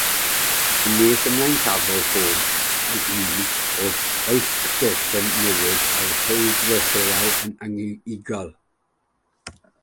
Yn nes ymlaen cafodd bob un o'r wyth fersiwn newydd eu hail-ryddhau yn unigol.